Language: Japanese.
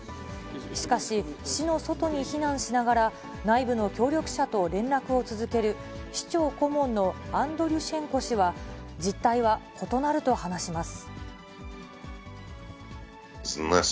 しかし、市の外に避難しながら、内部の協力者と連絡を続ける、市長顧問のアンドリュシェンコ氏は、実態は異なると話します。